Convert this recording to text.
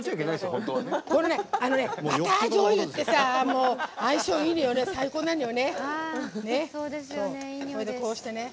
バターじょうゆって相性いいのよね、最高よね。